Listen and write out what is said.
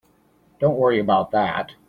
Don't worry about that.